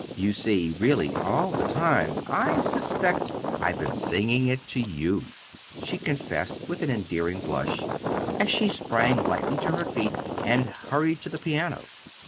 You see, really, all the time, I suspect, I've been singing it to you," she confessed with an endearing blush, as she sprang lightly to her feet and hurried to the piano.